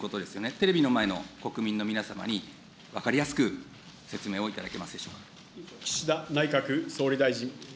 テレビの前の国民の皆様に、分かりやすく説明をいただけますでしょうか。